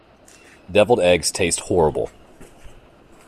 Devilled eggs taste horrible.